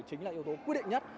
chính là yếu tố quyết định nhất